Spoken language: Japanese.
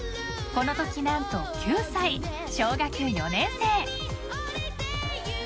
［このとき何と９歳小学４年生］